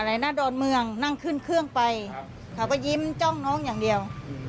หน้าดอนเมืองนั่งขึ้นเครื่องไปเขาก็ยิ้มจ้องน้องอย่างเดียว